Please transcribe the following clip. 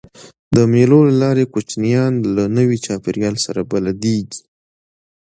د مېلو له لاري کوچنيان له نوي چاپېریال سره بلديږي.